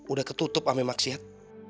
udah ketutup ameem aksiat